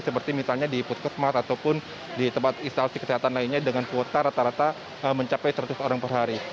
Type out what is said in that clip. seperti misalnya di puskesmas ataupun di tempat instalasi kesehatan lainnya dengan kuota rata rata mencapai seratus orang per hari